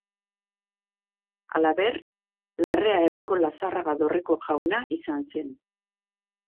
Halaber, Larrea herriko Lazarraga dorreko jauna izan zen.